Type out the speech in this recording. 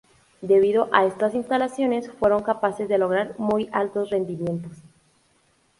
Debido a estas instalaciones fueron capaces de lograr muy altos rendimientos.